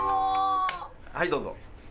はいどうぞ。